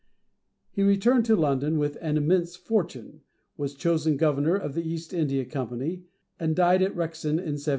He returned to London with an immense fortune, was chosen Governor of the East India Company, and died at Rexon in 1721.